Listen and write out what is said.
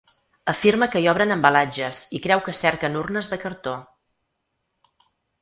Afirma que hi obren embalatges i creu que cerquen urnes de cartó.